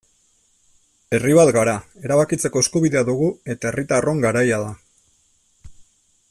Herri bat gara, erabakitzeko eskubidea dugu eta herritarron garaia da.